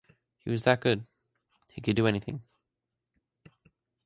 He was that good, he could do anything.